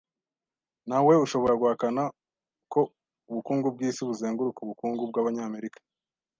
Ntawe ushobora guhakana ko ubukungu bwisi buzenguruka ubukungu bwabanyamerika.